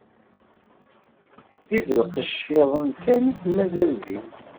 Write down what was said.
D ibelqecciḍen kan i d-mazal din.